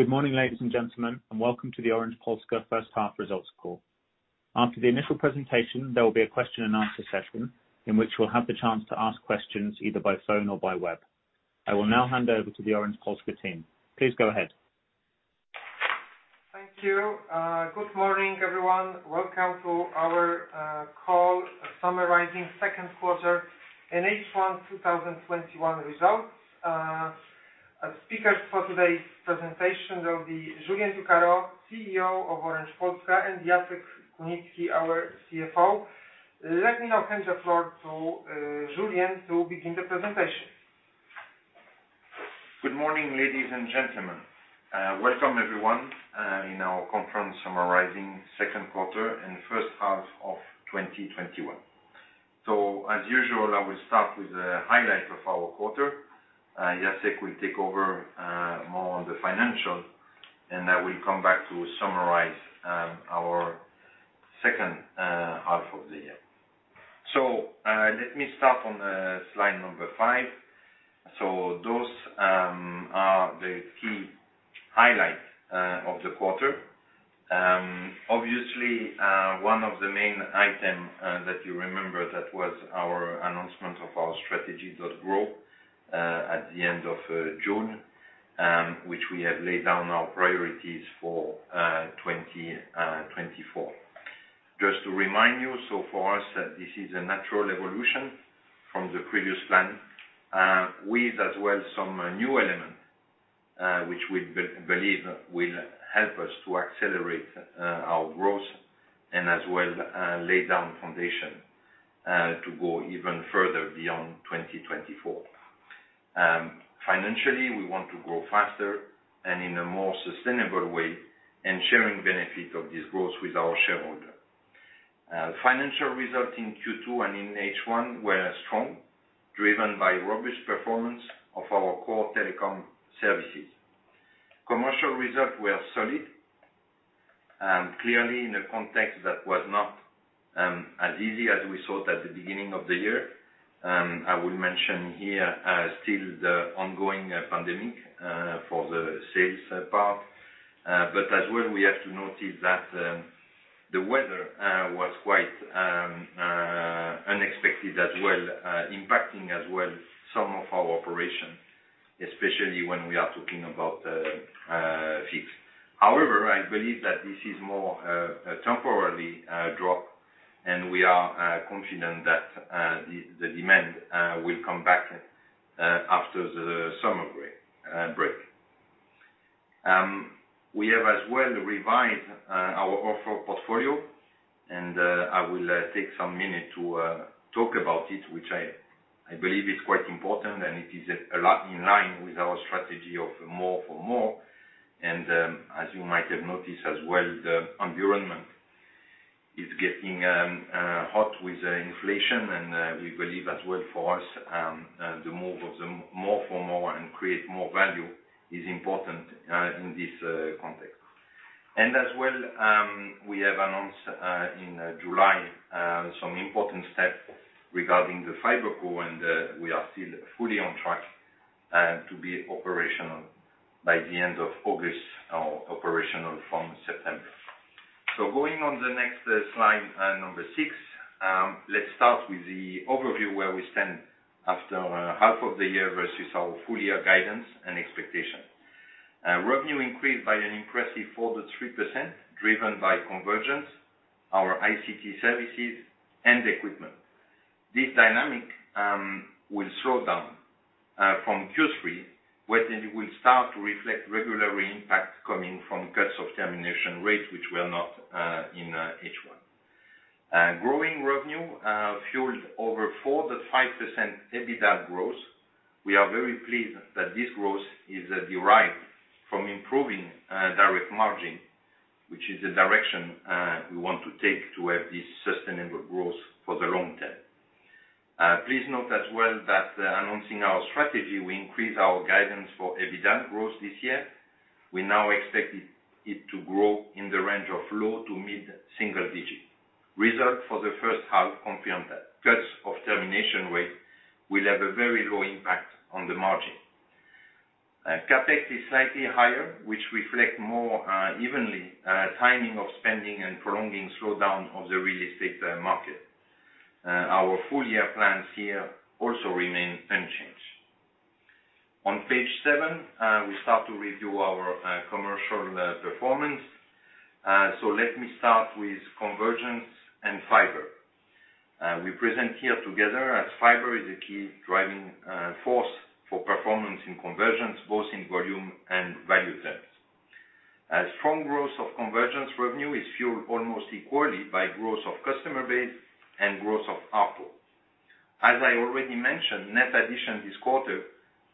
Good morning, ladies and gentlemen, and welcome to the Orange Polska first half results call. After the initial presentation, there will be a question and answer session in which we'll have the chance to ask questions either by phone or by web. I will now hand over to the Orange Polska team. Please go ahead. Thank you. Good morning, everyone. Welcome to our call summarizing second quarter and H1 2021 results. Our speakers for today's presentation will be Julien Ducarroz, CEO of Orange Polska, and Jacek Kunicki, our CFO. Let me now hand the floor to Julien to begin the presentation. Good morning, ladies and gentlemen. Welcome everyone to our conference summarizing second quarter and first half of 2021. As usual, I will start with the highlight of our quarter. Jacek will take over more on the financials, and I will come back to summarize our second half of the year. Let me start on slide number five. Those are the key highlights of the quarter. Obviously, one of the main items that you remember that was our announcement of our strategy, .Grow, at the end of June, which we have laid down our priorities for 2024. Just to remind you, for us, this is a natural evolution from the previous plan, with as well some new elements which we believe will help us to accelerate our growth and as well lay down foundations to go even further beyond 2024. Financially, we want to grow faster and in a more sustainable way and sharing benefit of this growth with our shareholder. Financial results in Q2 and in H1 were strong, driven by robust performance of our core telecom services. Commercial results were solid and clearly in a context that was not as easy as we thought at the beginning of the year. I will mention here still the ongoing pandemic for the sales part, but as well, we have to notice that the weather was quite unexpected as well, impacting as well some of our operations, especially when we are talking about fix. I believe that this is more a temporary drop, and we are confident that the demand will come back after the summer break. We have as well revised our offer portfolio, and I will take some minute to talk about it, which I believe is quite important, and it is a lot in line with our strategy of more for more. As you might have noticed as well, the environment is getting hot with inflation, and we believe as well for us, the more for more and create more value is important in this context. As well, we have announced in July some important steps regarding the FiberCo, and we are still fully on track to be operational by the end of August or operational from September. Going on the next slide, number six. Let's start with the overview where we stand after half of the year versus our full year guidance and expectation. Revenue increased by an impressive 4.3%, driven by convergence, our ICT services, and equipment. This dynamic will slow down from Q3, where then it will start to reflect regulatory impact coming from cuts of termination rates, which were not in H1. Growing revenue fueled over 4.5% EBITDA growth. We are very pleased that this growth is derived from improving direct margin, which is the direction we want to take to have this sustainable growth for the long-term. Please note as well that announcing our strategy, we increase our guidance for EBITDA growth this year. We now expect it to grow in the range of low to mid-single digit. Result for the first half confirmed that cuts of termination rate will have a very low impact on the margin. CapEx is slightly higher, which reflect more evenly timing of spending and prolonging slowdown of the real estate market. Our full year plans here also remain unchanged. On page 7, we start to review our commercial performance. Let me start with convergence and fiber. We present here together as fiber is a key driving force for performance in convergence, both in volume and value terms. A strong growth of convergence revenue is fueled almost equally by growth of customer base and growth of ARPU. As I already mentioned, net addition this quarter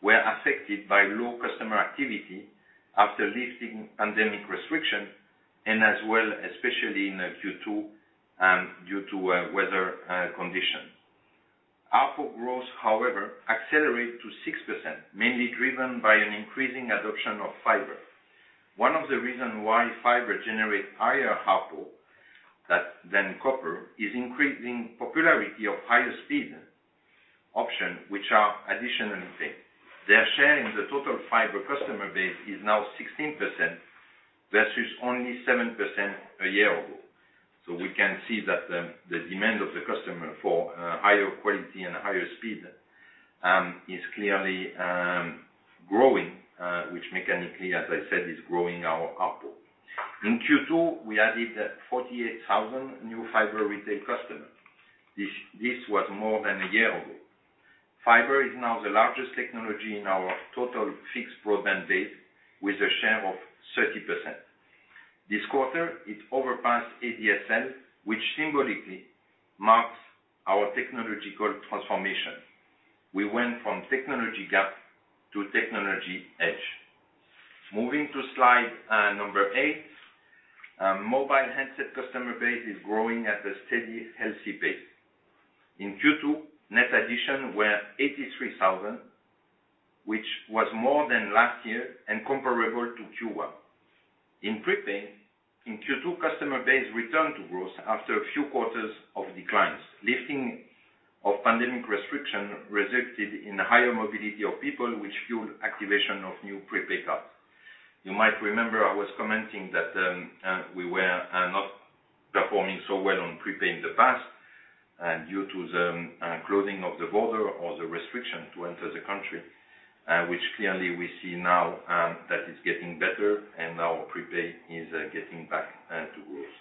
were affected by low customer activity after lifting pandemic restriction and as well, especially in Q2, due to weather condition. ARPU growth, however, accelerate to 6%, mainly driven by an increasing adoption of fiber. One of the reasons why fiber generate higher ARPU than copper is increasing popularity of higher speed option which are additionally paid. Their share in the total fiber customer base is now 16% versus only 7% a year ago. We can see that the demand of the customer for higher quality and higher speed is clearly growing, which mechanically, as I said, is growing our ARPU. In Q2, we added 48,000 new fiber retail customers. This was more than a year ago. Fiber is now the largest technology in our total fixed broadband base with a share of 30%. This quarter, it overpassed ADSL, which symbolically marks our technological transformation. We went from technology gap to technology edge. Moving to slide number eight. Mobile handset customer base is growing at a steady, healthy pace. In Q2, net additions were 83,000, which was more than last year and comparable to Q1. In prepaid, in Q2, customer base returned to growth after a few quarters of declines. Lifting of pandemic restriction resulted in higher mobility of people, which fueled activation of new prepaid cards. You might remember I was commenting that we were not performing so well on prepaid in the past due to the closing of the border or the restriction to enter the country, which clearly we see now that it's getting better and our prepaid is getting back to growth.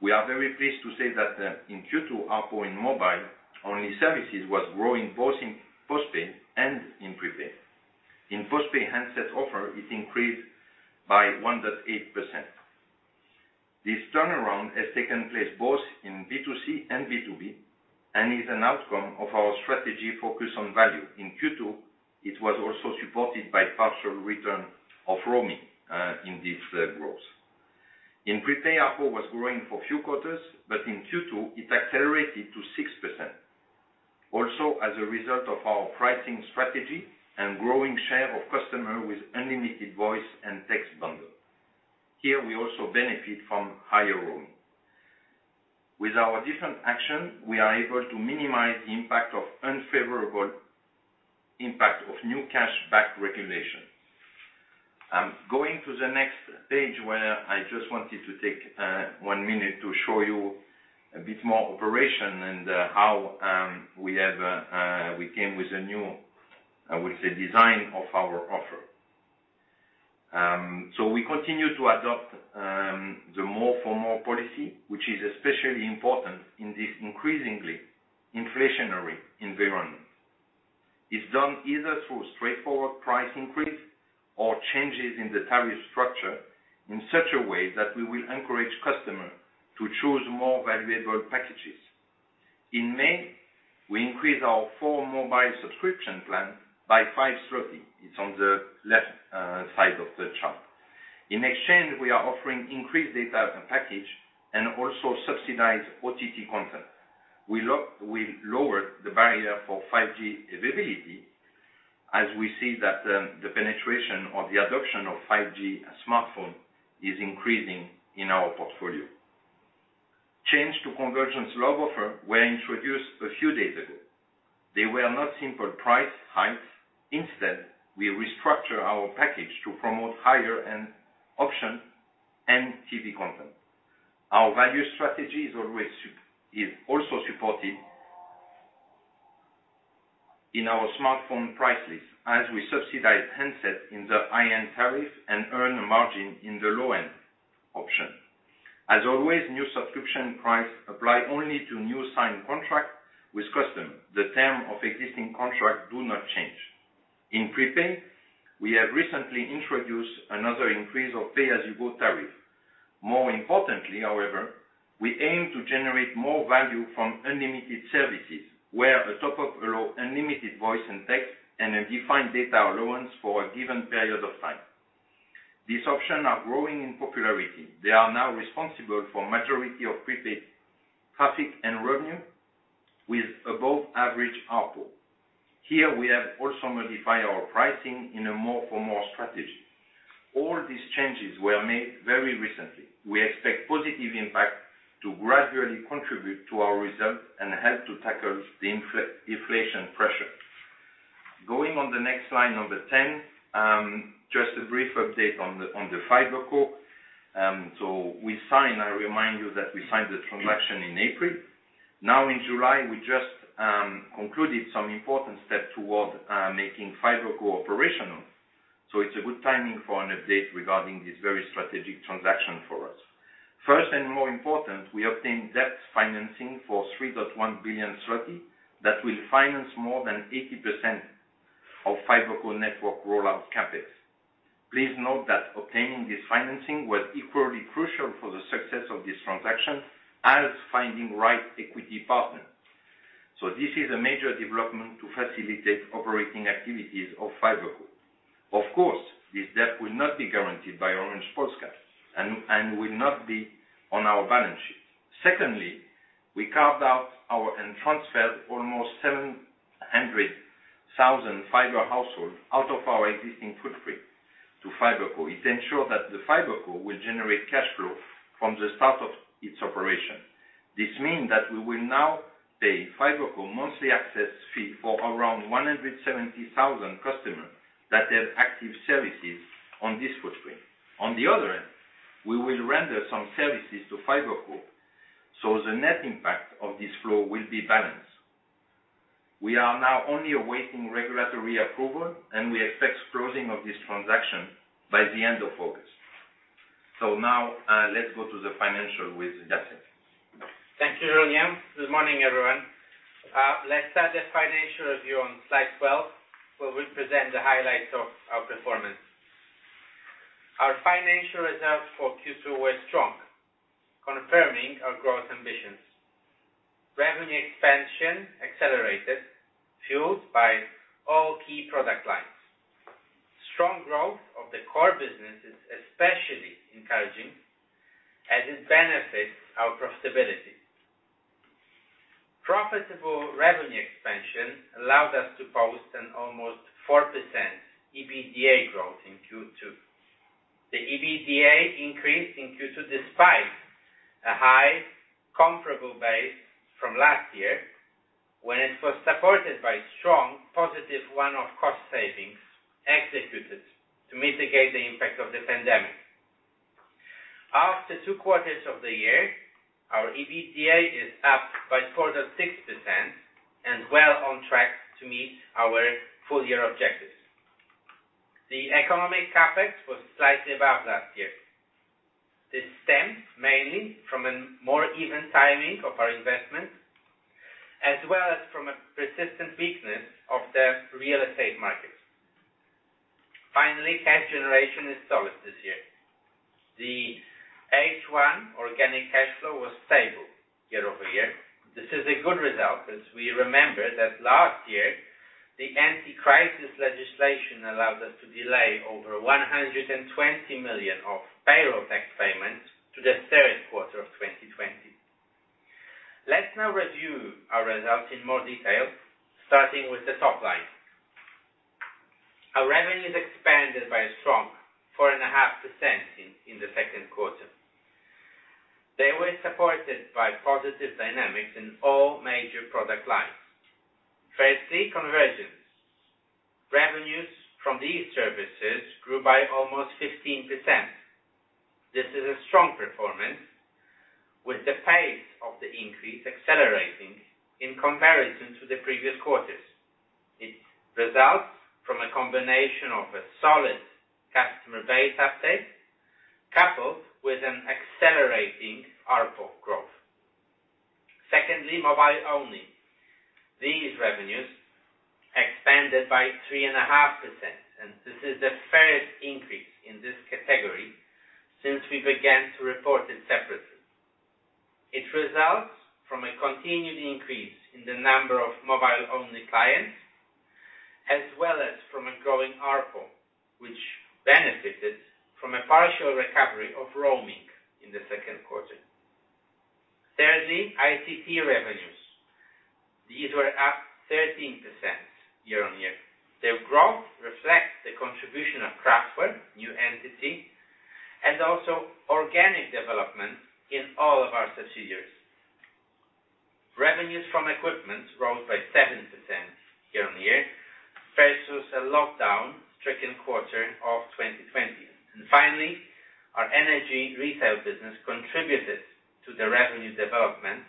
We are very pleased to say that in Q2, ARPU in mobile-only services was growing both in postpaid and in prepaid. In postpaid handset offer, it increased by 1.8%. This turnaround has taken place both in B2C and B2B and is an outcome of our strategy focus on value. In Q2, it was also supported by partial return of roaming in this growth. In prepaid, ARPU was growing for a few quarters, but in Q2, it accelerated to 6%, also as a result of our pricing strategy and growing share of customer with unlimited voice and text bundle. Here we also benefit from higher roaming. With our different action, we are able to minimize the impact of unfavorable impact of new cash back regulation. Going to the next page where I just wanted to take one minute to show you a bit more operation and how we came with a new, I would say, design of our offer. We continue to adopt the more for more policy, which is especially important in this increasingly inflationary environment. It's done either through straightforward price increase or changes in the tariff structure in such a way that we will encourage customer to choose more valuable packages. In May, we increased our four mobile subscription plan by 5. It's on the left side of the chart. In exchange, we are offering increased data as a package and also subsidized OTT content. We lowered the barrier for 5G availability as we see that the penetration or the adoption of 5G smartphone is increasing in our portfolio. Change to converged offer were introduced a few days ago. They were not simple price hikes. Instead, we restructure our package to promote higher-end option and TV content. Our value strategy is also supported in our smartphone price list as we subsidize handsets in the high-end tariff and earn a margin in the low-end option. As always, new subscription prices apply only to new signed contract with customer. The term of existing contract do not change. In prepaid, we have recently introduced another increase of pay-as-you-go tariff. More importantly, however, we aim to generate more value from unlimited services, where a top-up allow unlimited voice and text and a defined data allowance for a given period of time. This option are growing in popularity. They are now responsible for majority of prepaid traffic and revenue with above average ARPU. We have also modified our pricing in a more for more strategy. All these changes were made very recently. We expect positive impact to gradually contribute to our result and help to tackle the inflation pressure. Going on the next slide, number 10. A brief update on the FiberCo. I remind you that we signed the transaction in April. In July, we just concluded some important step toward making FiberCo operational. It's a good timing for an update regarding this very strategic transaction for us. First and more important, we obtained debt financing for 3.1 billion that will finance more than 80% of FiberCo network rollout CapEx. Please note that obtaining this financing was equally crucial for the success of this transaction as finding right equity partner. This is a major development to facilitate operating activities of FiberCo. Of course, this debt will not be guaranteed by Orange Polska and will not be on our balance sheet. Secondly, we carved out and transferred almost 700,000 fiber household out of our existing footprint to FiberCo. It ensures that the FiberCo will generate cash flow from the start of its operation. This means that we will now pay FiberCo monthly access fee for around 170,000 customers that have active services on this footprint. On the other end, we will render some services to FiberCo, so the net impact of this flow will be balanced. We are now only awaiting regulatory approval, and we expect closing of this transaction by the end of August. Now, let's go to the financial with Jacek. Thank you, Julien. Good morning, everyone. Let's start the financial review on Slide 12, where we present the highlights of our performance. Our financial results for Q2 were strong, confirming our growth ambitions. Revenue expansion accelerated, fueled by all key product lines. Strong growth of the core business is especially encouraging as it benefits our profitability. Profitable revenue expansion allowed us to post an almost 4% EBITDAaL growth in Q2. The EBITDAaL increased in Q2 despite a high comparable base from last year when it was supported by strong positive one-off cost savings executed to mitigate the impact of the pandemic. After two quarters of the year, our EBITDAaL is up by 4.6% and well on track to meet our full-year objectives. The economic CapEx was slightly above last year. This stems mainly from a more even timing of our investment, as well as from a persistent weakness of the real estate market. Finally, cash generation is solid this year. The H1 organic cash flow was stable year-over-year. This is a good result as we remember that last year, the anti-crisis legislation allowed us to delay over 120 million of payroll tax payments to the third quarter of 2020. Let's now review our results in more detail, starting with the top line. Our revenues expanded by a strong 4.5% in the second quarter. They were supported by positive dynamics in all major product lines. Firstly, convergence. Revenues from these services grew by almost 15%. This is a strong performance with the pace of the increase accelerating in comparison to the previous quarters. It results from a combination of a solid customer base uptake coupled with an accelerating ARPO growth. Secondly, mobile only. These revenues expanded by 3.5%, and this is the first increase in this category since we began to report it separately. It results from a continued increase in the number of mobile-only clients, as well as from a growing ARPO, which benefited from a partial recovery of roaming in the second quarter. Thirdly, ICT revenues. These were up 13% year-on-year. Their growth reflects the contribution of Craftware new entity and also organic development in all of our subsidiaries. Revenues from equipment rose by 7% year-on-year, first since the lockdown second quarter of quarter of 2020. Finally, our energy retail business contributed to the revenue development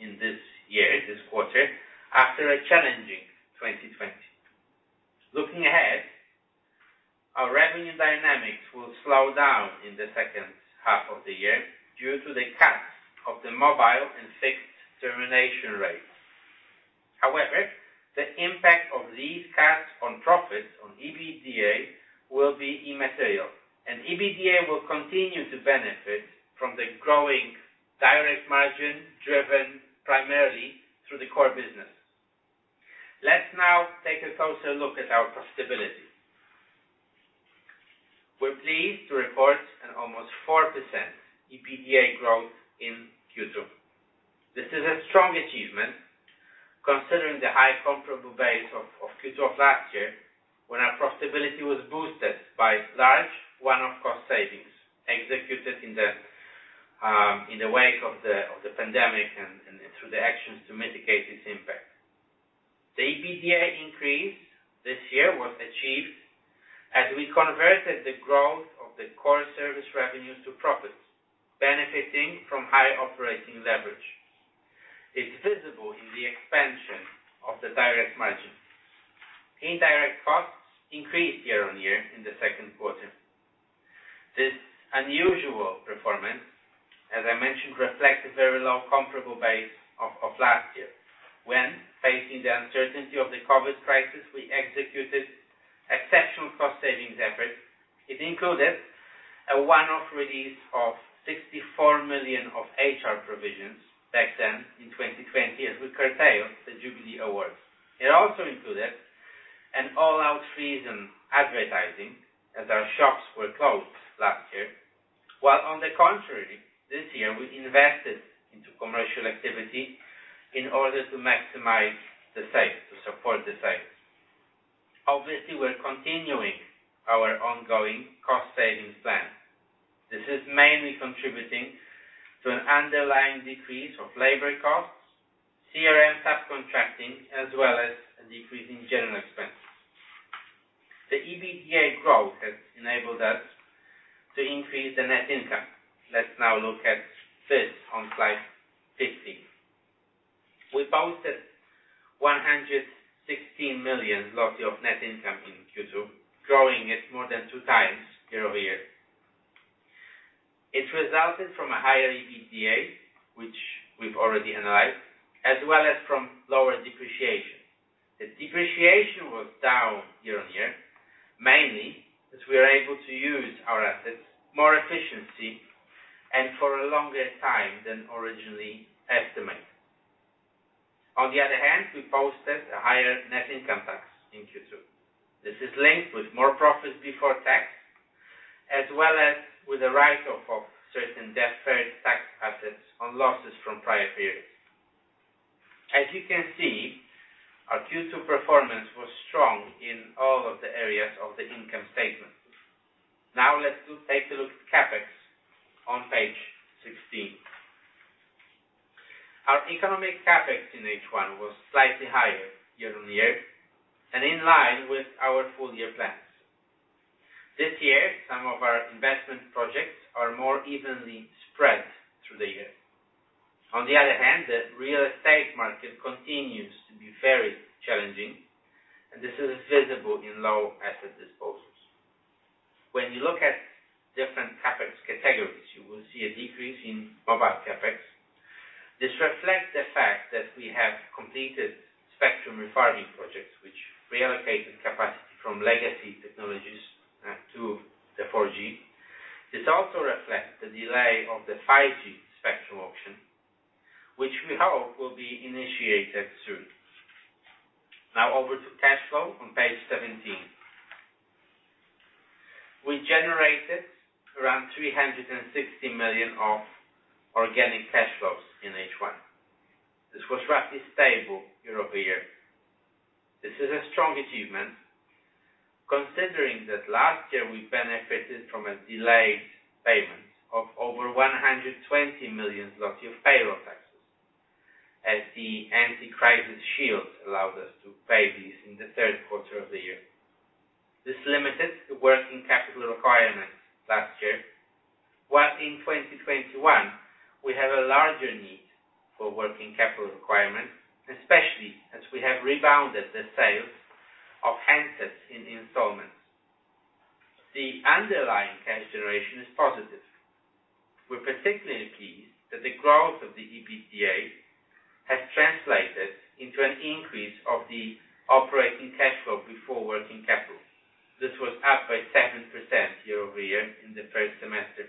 in this year, this quarter, after a challenging 2020. Looking ahead, our revenue dynamics will slow down in the second half of the year due to the cuts of the mobile and fixed termination rates. The impact of these cuts on profits on EBITDAaL will be immaterial, and EBITDAaL will continue to benefit from the growing direct margin driven primarily through the core business. Let's now take a closer look at our profitability. We're pleased to report an almost 4% EBITDAaL growth in Q2. This is a strong achievement considering the high comparable base of Q2 of last year, when our profitability was boosted by large one-off cost savings executed in the wake of the pandemic and through the actions to mitigate its impact. The EBITDAaL increase this year was achieved as we converted the growth of the core service revenues to profits, benefiting from higher operating leverage. It's visible in the expansion of the direct margin. Indirect costs increased year-over-year in the second quarter. This unusual performance, as I mentioned, reflects a very low comparable base of last year when, facing the uncertainty of the COVID crisis, we executed exceptional cost savings efforts. It included a one-off release of 64 million of HR provisions back then in 2020, as we curtailed the Jubilee Awards. It also included an all-out freeze on advertising as our shops were closed last year. On the contrary, this year we invested into commercial activity in order to maximize the sales, to support the sales. Obviously, we're continuing our ongoing cost savings plan. This is mainly contributing to an underlying decrease of labor costs, CRM subcontracting, as well as a decrease in general expenses. The EBITDA growth has enabled us to increase the net income. Let's now look at this on Slide 15. We posted 116 million of net income in Q2, growing at more than 2x year-over-year. It resulted from a higher EBITDA, which we've already analyzed, as well as from lower depreciation. The depreciation was down year-on-year, mainly as we are able to use our assets more efficiently and for a longer time than originally estimated. On the other hand, we posted a higher net income tax in Q2. This is linked with more profits before tax, as well as with the write-off of certain deferred tax assets on losses from prior periods. As you can see, our Q2 performance was strong in all of the areas of the income statement. Now let's take a look at CapEx on page 16. Our economic CapEx in H1 was slightly higher year-on-year and in line with our full year plans. This year, some of our investment projects are more evenly spread through the year. On the other hand, the real estate market continues to be very challenging, and this is visible in low asset disposals. When you look at different CapEx categories, you will see a decrease in mobile CapEx. This reflects the fact that we have completed spectrum reforming projects, which reallocated capacity from legacy technologies to the 4G. This also reflects the delay of the 5G spectrum auction, which we hope will be initiated soon. Now over to cash flow on page 17. We generated around 360 million of organic cash flows in H1. This was roughly stable year-over-year. This is a strong achievement considering that last year we benefited from a delayed payment of over 120 million of payroll taxes, as the anti-crisis shield allowed us to pay this in the third quarter of the year. This limited the working capital requirements last year, while in 2021, we have a larger need for working capital requirement, especially as we have rebounded the sales of handsets in installments. The underlying cash generation is positive. We're particularly pleased that the growth of the EBITDA has translated into an increase of the operating cash flow before working capital. This was up by 7% year-over-year in the first semester.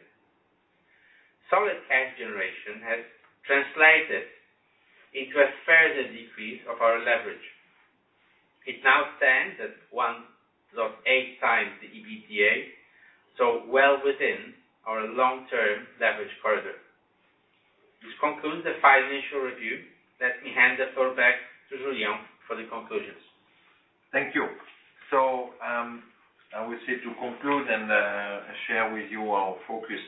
Solid cash generation has translated into a further decrease of our leverage. It now stands at 1.8x the EBITDA, so well within our long-term leverage corridor. This concludes the financial review. Let me hand the floor back to Julien for the conclusions. Thank you. I would say to conclude and share with you our focus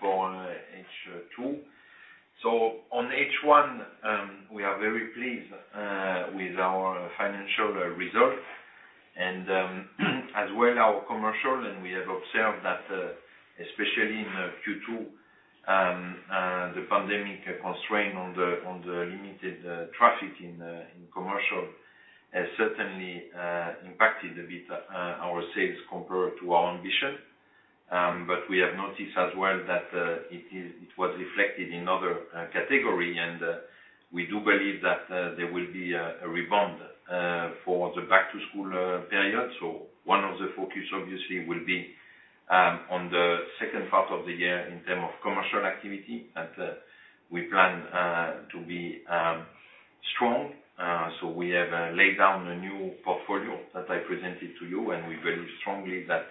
for H2. On H1, we are very pleased with our financial results and as well our commercial. We have observed that especially in Q2, the pandemic constraint on the limited traffic in commercial has certainly impacted a bit our sales compared to our ambition. We have noticed as well that it was reflected in other category and we do believe that there will be a rebound for the back to school period. One of the focus obviously will be on the second part of the year in term of commercial activity, that we plan to be strong. We have laid down a new portfolio that I presented to you, and we believe strongly that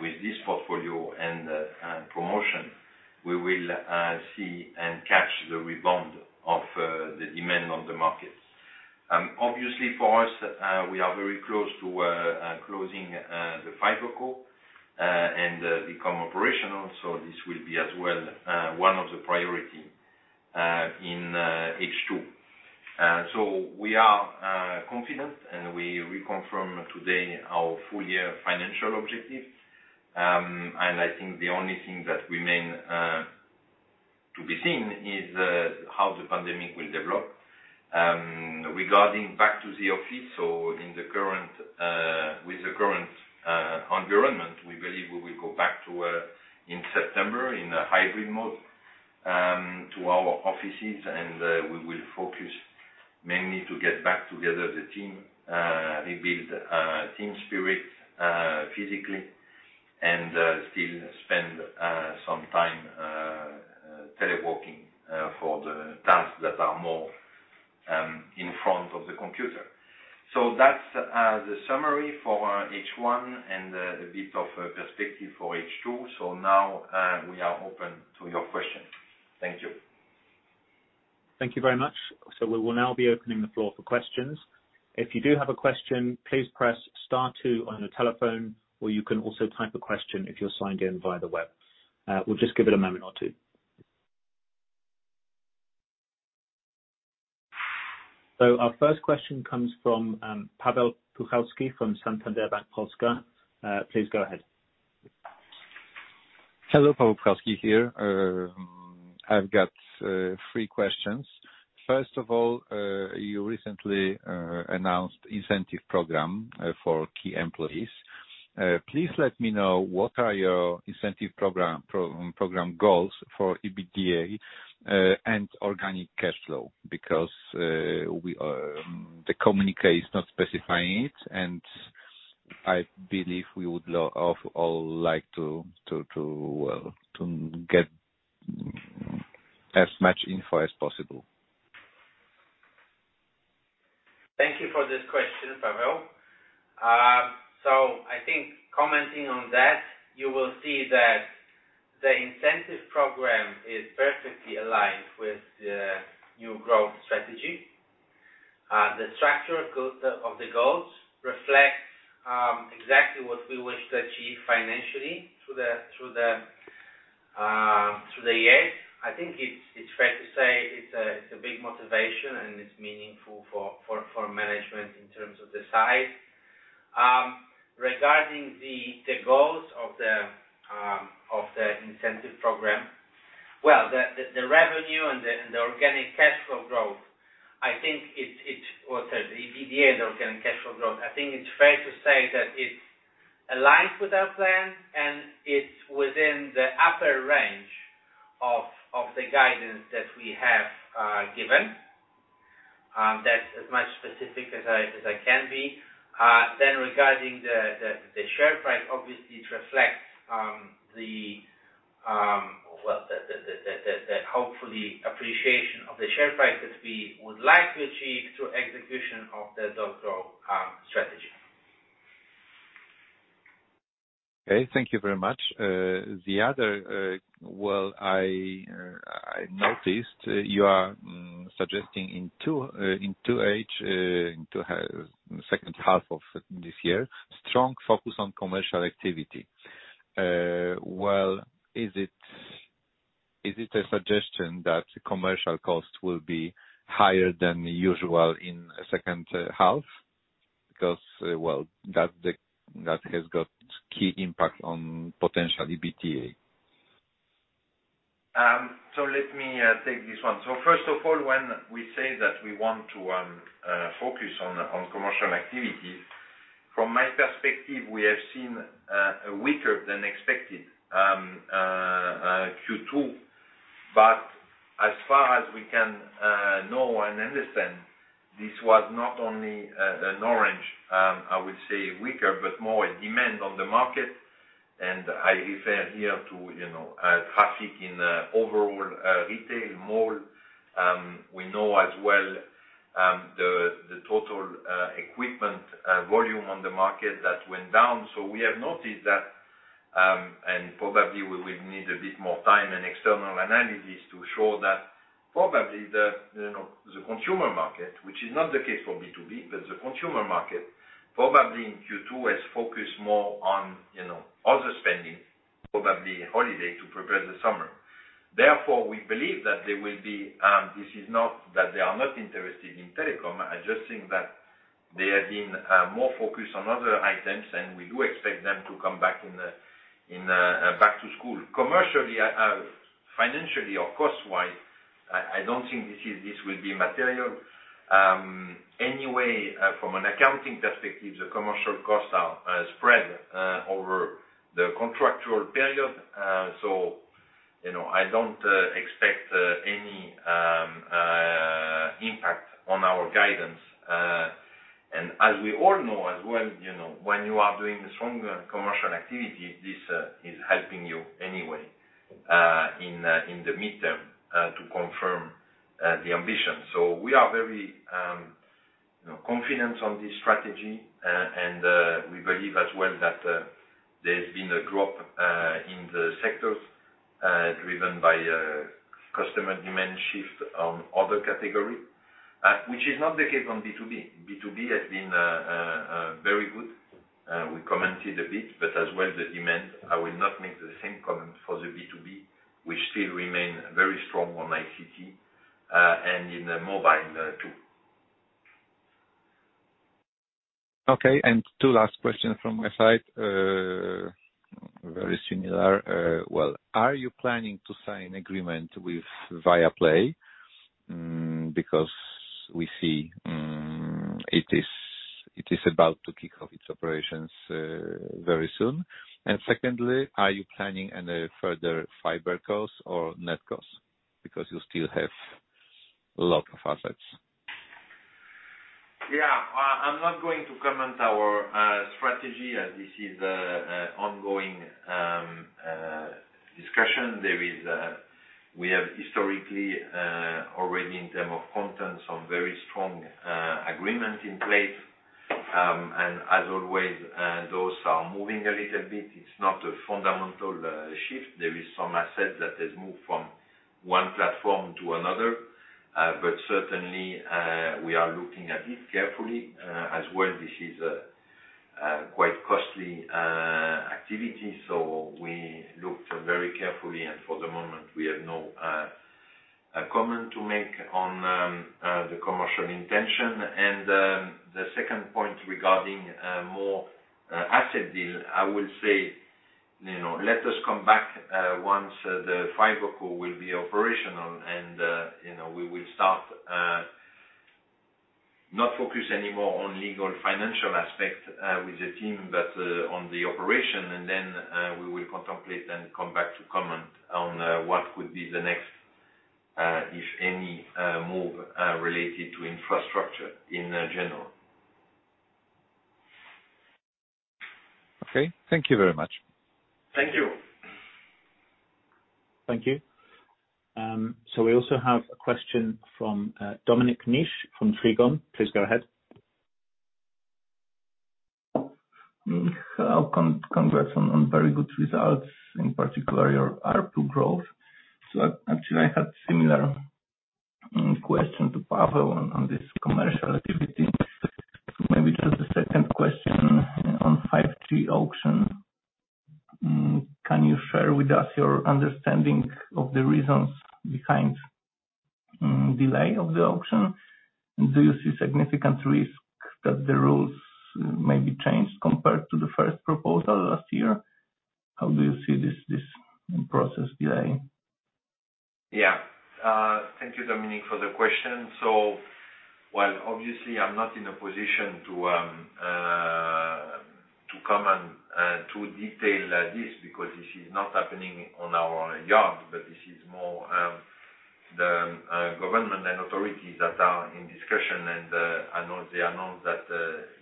with this portfolio and promotion, we will see and catch the rebound of the demand on the market. Obviously for us, we are very close to closing the FiberCo and become operational. This will be as well one of the priority in H2. We are confident and we reconfirm today our full year financial objectives. I think the only thing that remain to be seen is how the pandemic will develop. Regarding back to the office or with the current environment, we believe we will go back to in September in a hybrid mode to our offices. We will focus mainly to get back together the team, rebuild team spirit physically, and still spend some time teleworking for the tasks that are more in front of the computer. That's the summary for H1 and a bit of a perspective for H2. Now we are open to your questions. Thank you. Thank you very much. We will now be opening the floor for questions. If you do have a question, please press star two on your telephone, or you can also type a question if you're signed in via the web. We'll just give it a moment or two. Our first question comes from Pavel Puchalski from Santander Bank Polska. Please go ahead. Hello. Pavel Puchalski here. I've got three questions. First of all, you recently announced incentive program for key employees. Please let me know, what are your incentive program goals for EBITDA and organic cash flow? The communique is not specifying it, and I believe we would all like to get as much info as possible. Thank you for this question, Pavel. I think commenting on that, you will see that the incentive program is perfectly aligned with the new growth strategy. The structure of the goals reflects exactly what we wish to achieve financially through the years. I think it's fair to say it's a big motivation, and it's meaningful for management in terms of the size. Regarding the goals of the incentive program. Well, the revenue and the organic cash flow growth, I think it Well, the EBITDA and organic cash flow growth, I think it's fair to say that it aligns with our plan and it's within the upper range of the guidance that we have given. That's as much specific as I can be. Regarding the share price, obviously, it reflects the, well, hopefully appreciation of the share prices we would like to achieve through execution of the .Grow growth strategy. Okay. Thank you very much. Well, I noticed you are suggesting in 2H, second half of this year, strong focus on commercial activity. Well, is it a suggestion that commercial costs will be higher than usual in the second half? Well, that has got key impact on potential EBITDA. Let me take this one. First of all, when we say that we want to focus on commercial activity, from my perspective, we have seen a weaker than expected Q2. As far as we can know and understand, this was not only an Orange, I would say weaker, but more a demand on the market. I refer here to traffic in overall retail mall. We know as well the total equipment volume on the market that went down. We have noticed that, and probably we will need a bit more time and external analysis to show that probably the consumer market, which is not the case for B2B, but the consumer market, probably in Q2, has focused more on other spending, probably holiday to prepare the summer. We believe that there will be, this is not that they are not interested in telecom, I just think that they have been more focused on other items, and we do expect them to come back in the back to school. Commercially, financially or cost-wise, I don't think this will be material. From an accounting perspective, the commercial costs are spread over the contractual period. I don't expect any impact on our guidance. As we all know as well, when you are doing stronger commercial activity, this is helping you anyway, in the midterm, to confirm the ambition. We are very confident on this strategy. We believe as well that there's been a drop in the sectors driven by customer demand shift on other category. Which is not the case on B2B. B2B has been very good. We commented a bit, but as well the demand. I will not make the same comment for the B2B, which still remain very strong on ICT, and in the mobile, too. Okay. Two last questions from my side. Very similar. Well, are you planning to sign agreement with Viaplay? Because we see it is about to kick off its operations very soon. Secondly, are you planning any further FiberCo or NetCo? Because you still have a lot of assets. I'm not going to comment our strategy as this is a ongoing discussion. We have historically, already in term of content, some very strong agreement in place. As always, those are moving a little bit. It's not a fundamental shift. There is some asset that has moved from one platform to another. Certainly, we are looking at it carefully. As well, this is a quite costly activity, so we looked very carefully, and for the moment, we have no comment to make on the commercial intention. The second point regarding more asset deal, I will say, let us come back once the FiberCo will be operational, and we will start not focus anymore on legal and financial aspect with the team, but on the operation. We will contemplate and come back to comment on what would be the next, if any, move related to infrastructure in general. Okay. Thank you very much. Thank you. Thank you. We also have a question from Dominik Niszcz from Trigon. Please go ahead. Hello. Congrats on very good results, in particular your ARPU growth. Actually, I had similar question to Pavel on this commercial activity. Maybe just a second question on 5G auction. Can you share with us your understanding of the reasons behind delay of the auction? Do you see significant risk that the rules may be changed compared to the first proposal last year? How do you see this process delay? Thank you, Dominik, for the question. While obviously I'm not in a position to comment to detail this, because this is not happening on our yard, but this is more the government and authorities that are in discussion, and they announce that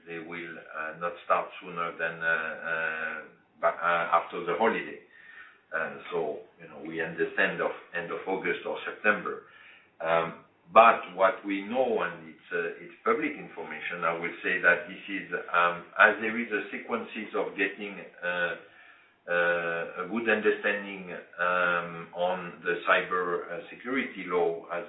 they will not start sooner than after the holiday. We end of August or September. What we know, and it's public information, I will say that this is, as there is a sequences of getting a good understanding on the cybersecurity law as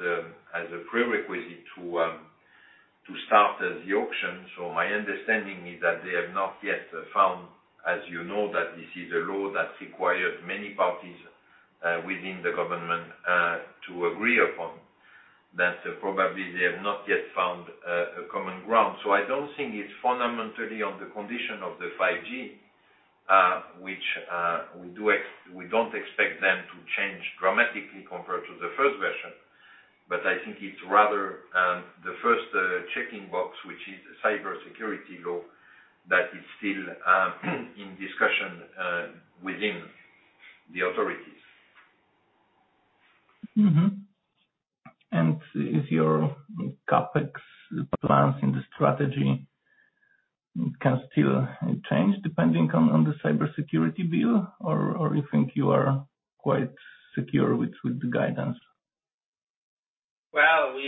a prerequisite to start the auction. My understanding is that they have not yet found, as you know, that this is a law that required many parties within the government to agree upon, that probably they have not yet found a common ground. I don't think it's fundamentally on the condition of the 5G, which we don't expect them to change dramatically compared to the first version. I think it's rather the first checking box, which is cybersecurity law that is still in discussion within the authorities. Is your CapEx plans in the strategy can still change depending on the cybersecurity bill, or you think you are quite secure with the guidance? Well,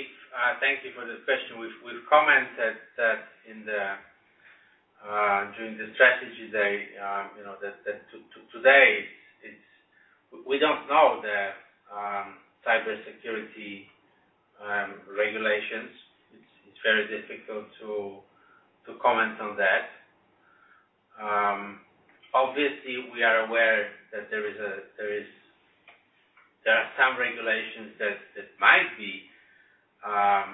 thank you for the question. We've commented that during the strategy day that today, we don't know the cybersecurity regulations. It's very difficult to comment on that. Obviously, we are aware that there are some regulations that might be, I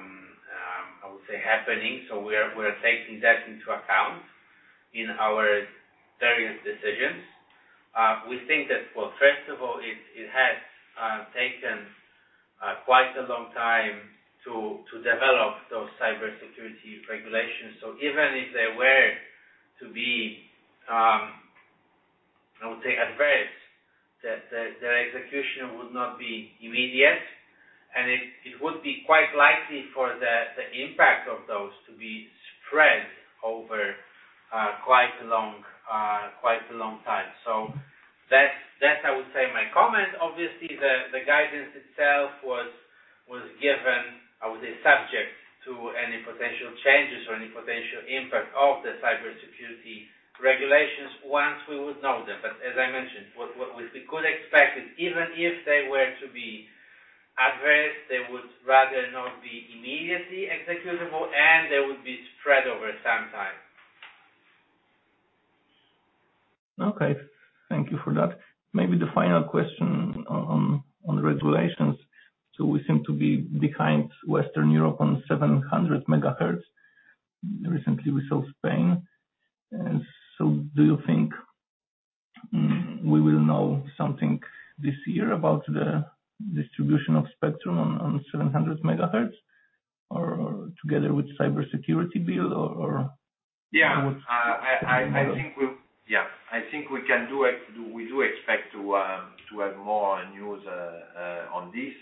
would say, happening. We're taking that into account in our various decisions. We think that, well, first of all, it has taken quite a long time to develop those cybersecurity regulations. Even if they were to be, I would say, addressed, their execution would not be immediate, and it would be quite likely for the impact of those to be spread over quite a long time. That's I would say my comment. Obviously, the guidance itself was given, I would say, subject to any potential changes or any potential impact of the cybersecurity regulations once we would know them. As I mentioned, what we could expect is even if they were to be addressed, they would rather not be immediately executable, and they would be spread over some time. Okay. Thank you for that. Maybe the final question on the regulations. We seem to be behind Western Europe on 700 MHz. Recently we saw Spain. Do you think we will know something this year about the distribution of spectrum on 700 MHz or together with cybersecurity bill? Yeah. I think we do expect to have more news on this.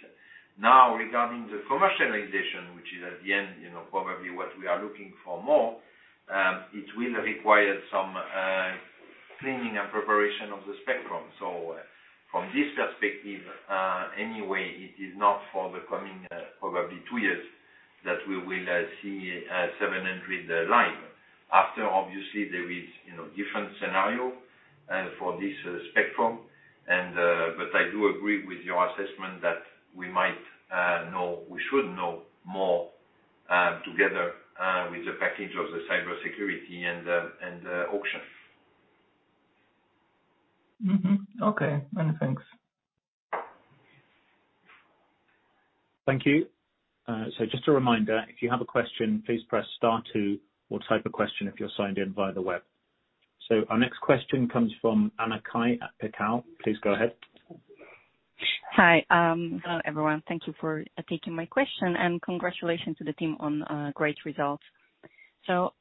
Regarding the commercialization, which is at the end, probably what we are looking for more, it will require some cleaning and preparation of the spectrum. From this perspective, anyway, it is not for the coming, probably two years that we will see 700 live. After, obviously, there is different scenario for this spectrum. I do agree with your assessment that we should know more together with the package of the cybersecurity and the auction. Mm-hmm. Okay. Many thanks. Thank you. Just a reminder, if you have a question, please press star two or type a question if you're signed in via the web. Our next question comes from Anna Kai at Pekao. Please go ahead. Hi. Hello, everyone. Thank you for taking my question, and congratulations to the team on great results.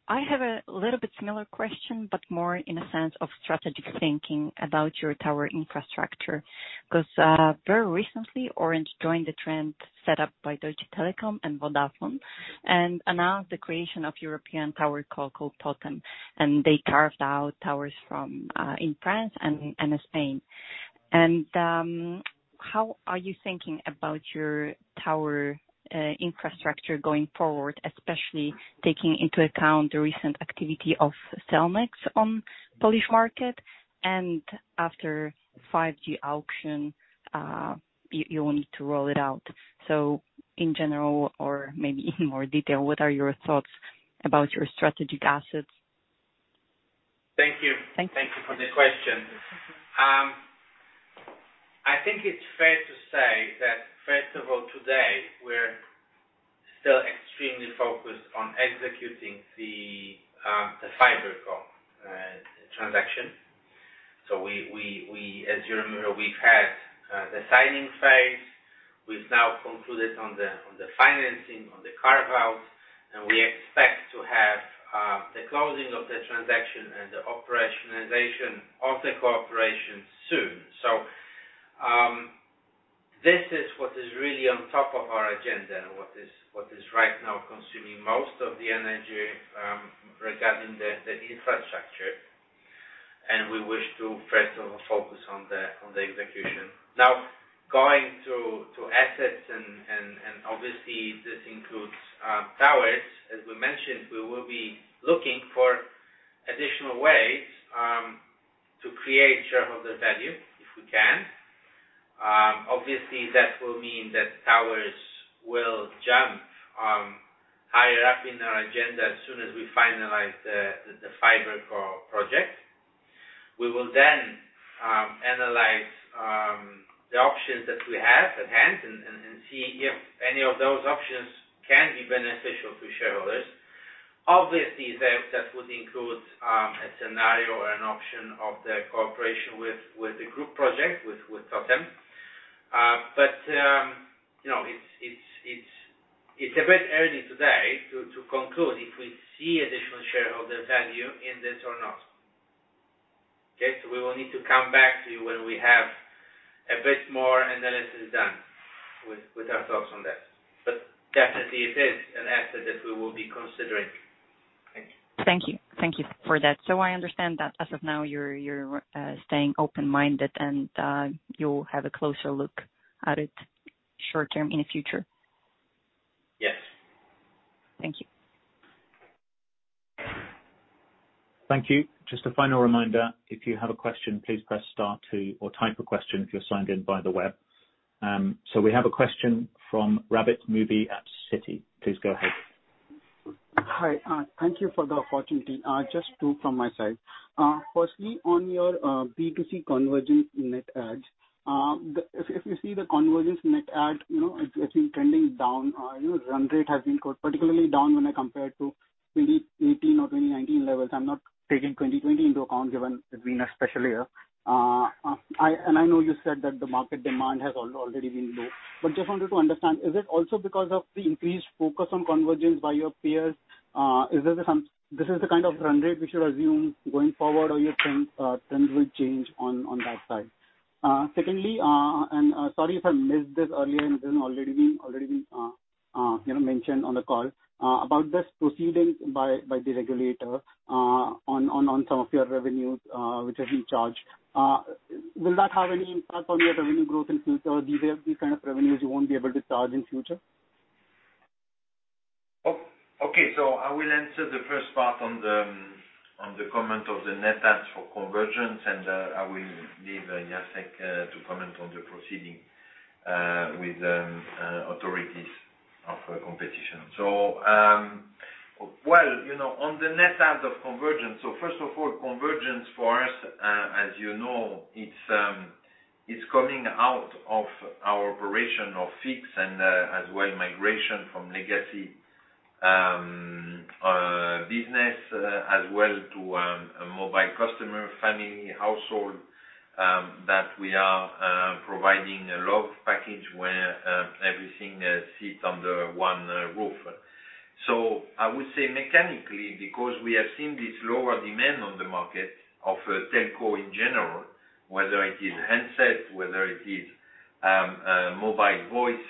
I have a little bit similar question, but more in a sense of strategic thinking about your tower infrastructure, because very recently, Orange joined the trend set up by Deutsche Telekom and Vodafone and announced the creation of European tower co called TOTEM, and they carved out towers in France and Spain. How are you thinking about your tower infrastructure going forward, especially taking into account the recent activity of Cellnex on Polish market, and after 5G auction you will need to roll it out. In general, or maybe in more detail, what are your thoughts about your strategic assets? Thank you. Thank you. Thank you for the question. I think it's fair to say that, first of all, today, we're still extremely focused on executing the FiberCo transaction. As you remember, we've had the signing phase. We've now concluded on the financing, on the carve-out, and we expect to have the closing of the transaction and the operationalization of the cooperation soon. This is what is really on top of our agenda and what is right now consuming most of the energy regarding the infrastructure. We wish to first of all focus on the execution. Now, going to assets, and obviously this includes towers, as we mentioned, we will be looking for additional ways to create shareholder value, if we can. Obviously, that will mean that towers will jump higher up in our agenda as soon as we finalize the FiberCo project. We will analyze the options that we have at hand and see if any of those options can be beneficial to shareholders. Obviously, that would include a scenario or an option of the cooperation with the group project, with TOTEM. It's a bit early today to conclude if we see additional shareholder value in this or not. Okay? We will need to come back to you when we have a bit more analysis done with our thoughts on that. Definitely it is an asset that we will be considering. Thank you. Thank you. Thank you for that. I understand that as of now, you're staying open-minded and you'll have a closer look at it short-term in the future. Yes. Thank you. Thank you. Just a final reminder, if you have a question, please press star two or type a question if you're signed in via the web. We have a question from Rabit Mubi at Citi. Please go ahead. Hi. Thank you for the opportunity. Just two from my side. Firstly, on your B2C convergence net adds. If you see the convergence net add, it's been trending down. Your run rate has been particularly down when I compare it to 2018 or 2019 levels. I'm not taking 2020 into account given it's been a special year. I know you said that the market demand has already been low, but just wanted to understand, is it also because of the increased focus on convergence by your peers? This is the kind of run rate we should assume going forward, or you think trends will change on that side? Secondly, sorry if I missed this earlier and it has already been mentioned on the call. About this proceeding by the regulator on some of your revenues which have been charged. Will that have any impact on your revenue growth in future? These are the kind of revenues you won't be able to charge in future? Okay. I will answer the first part on the comment of the net adds for convergence, and I will leave Jacek to comment on the proceeding with authorities of competition. Well, on the net adds of convergence, first of all, convergence for us, as you know, it's coming out of our operation of fix and as well migration from legacy business as well to a mobile customer family household. That we are providing a lot of package where everything sits under one roof. I would say mechanically, because we have seen this lower demand on the market of telco in general, whether it is handset, whether it is mobile voice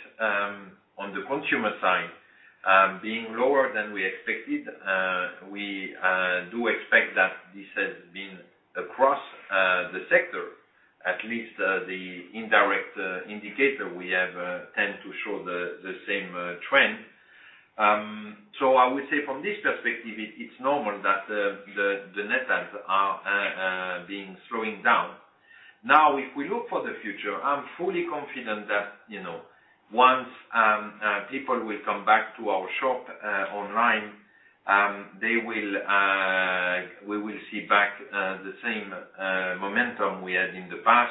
on the consumer side being lower than we expected. We do expect that this has been across the sector, at least the indirect indicator we have tend to show the same trend. I would say from this perspective, it's normal that the net adds are being slowing down. If we look for the future, I'm fully confident that once people will come back to our shop online, we will see back the same momentum we had in the past.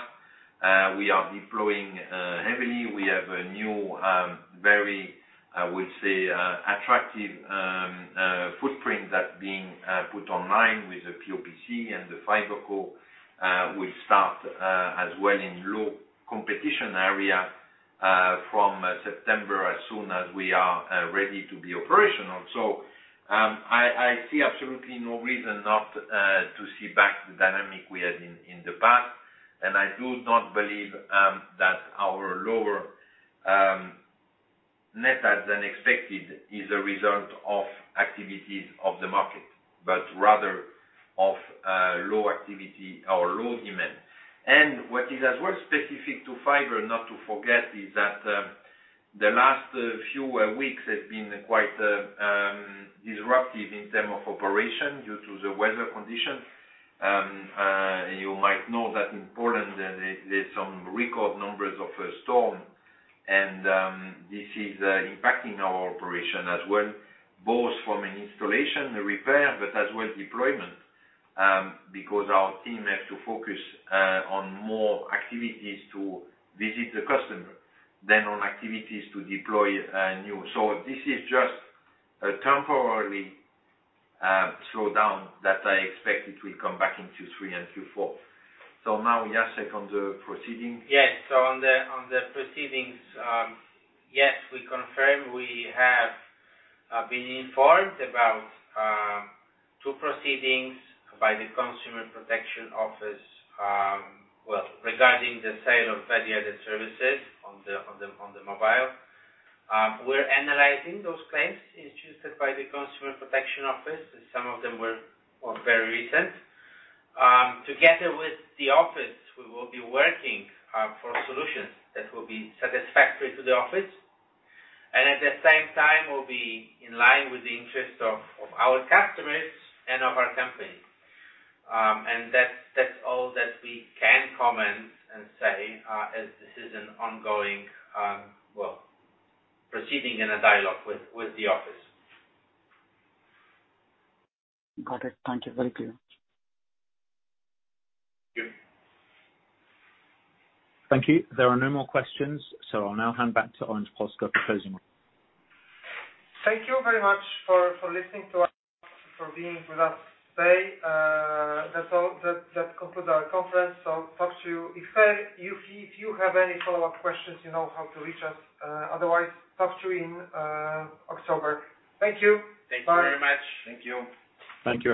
We are deploying heavily. We have a new, very, I would say, attractive footprint that being put online with the POPC and the FiberCo will start as well in low competition area from September, as soon as we are ready to be operational. I see absolutely no reason not to see back the dynamic we had in the past, and I do not believe that our lower net add than expected is a result of activities of the market, but rather of low activity or low demand. What is as well specific to fiber, not to forget, is that the last few weeks has been quite disruptive in term of operation due to the weather condition. You might know that in Poland there's some record numbers of storms. This is impacting our operation as well, both from an installation repair, but as well deployment, because our team has to focus on more activities to visit the customer than on activities to deploy new. This is just a temporary slowdown that I expect it will come back in Q3 and Q4. Now Jacek on the proceedings. On the proceedings, yes, we confirm we have been informed about two proceedings by the Office of Competition and Consumer Protection regarding the sale of value-added services on the mobile. We're analyzing those claims instituted by the Office of Competition and Consumer Protection, as some of them were of very recent. Together with the office, we will be working for solutions that will be satisfactory to the office, and at the same time will be in line with the interest of our customers and of our company. That's all that we can comment and say as this is an ongoing proceeding and a dialogue with the office. Got it. Thank you. Very clear. Thank you. Thank you. There are no more questions, so I'll now hand back to Orange Polska for closing remarks. Thank you very much for listening to us, for being with us today. That concludes our conference. Talk to you. If you have any follow-up questions, you know how to reach us. Otherwise, talk to you in October. Thank you. Bye. Thank you very much. Thank you. Thank you very much.